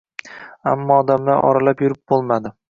ammo odamlar oralab yurib bo‘lmadi.